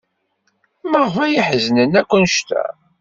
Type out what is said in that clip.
Maɣef ay yeḥzen akk anect-a?